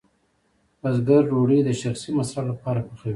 بزګر ډوډۍ د شخصي مصرف لپاره پخوي.